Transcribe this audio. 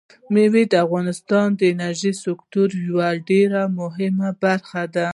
مېوې د افغانستان د انرژۍ سکتور یوه ډېره مهمه برخه ده.